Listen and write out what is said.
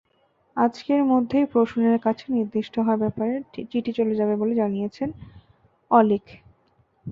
আজকের মধ্যেই প্রসূনের কাছে নিষিদ্ধ হওয়ার ব্যাপারে চিঠি যাবে বলে জানিয়েছেন অলিক।